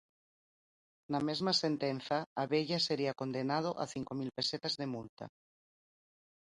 Na mesma sentenza, Abella sería condenado a cinco mil pesetas de multa.